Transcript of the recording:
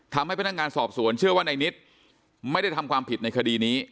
ทำให้พนักงานสอบสวนเชื่อว่าในนิดไม่ได้ทำความผิดในคดีนี้